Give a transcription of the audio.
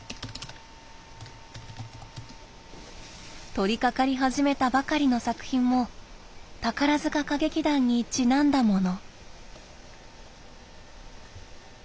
取りかかり始めたばかりの作品も宝塚歌劇団にちなんだもの。